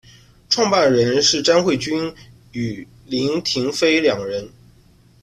创办人是詹慧君与林庭妃两人。